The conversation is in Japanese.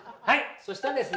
そしたらですね